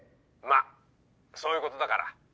まっそういうことだから。